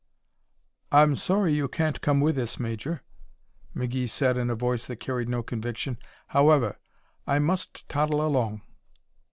"I'm sorry you can't come with us, Major," McGee said in a voice that carried no conviction. "However, I must toddle along."